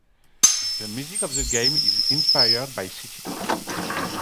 The music of the game is inspired by City pop.